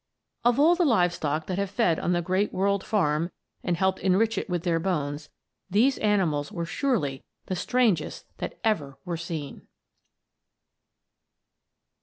Of all the live stock that have fed on the great world farm and helped enrich it with their bones, these animals were surely the strangest that ever were seen!